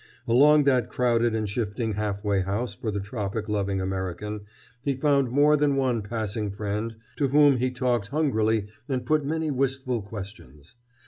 Along that crowded and shifting half way house for the tropic loving American he found more than one passing friend to whom he talked hungrily and put many wistful questions.